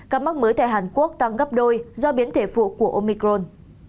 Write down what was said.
các mắc mới tại hàn quốc tăng gấp đôi do biến thể phụ của omicron